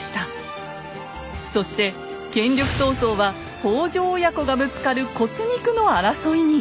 そして権力闘争は北条親子がぶつかる骨肉の争いに！